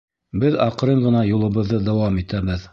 ...Беҙ аҡрын ғына юлыбыҙҙы дауам итәбеҙ.